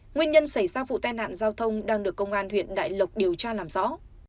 nguyên nhân xảy ra vụ tai nạn giao thông đang được công an huyện đại lộc điều tra làm rõ